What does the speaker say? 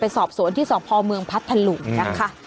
ไปสอบสวนที่ส่องพอเมืองพัฒนหลุงนะค่ะ